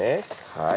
はい。